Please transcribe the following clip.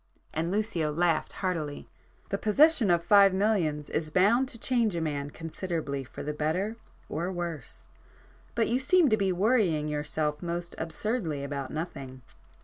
and Lucio laughed heartily—"The possession of five millions is bound to change a man considerably for the better—or worse! But you seem to be worrying yourself most absurdly about nothing.